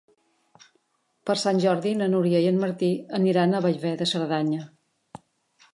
Per Sant Jordi na Núria i en Martí aniran a Bellver de Cerdanya.